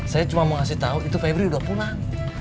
saya cuma mau kasih tau itu febri udah pulang